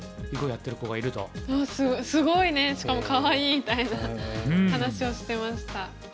「もうすごいねしかもかわいい！」みたいな話をしてました。